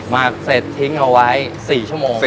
หักเสร็จทิ้งเอาไว้๔ชั่วโมง